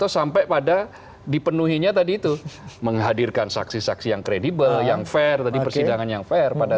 namanya tadi itu menghadirkan saksi saksi yang kredibel yang fair di persidangan yang fair pada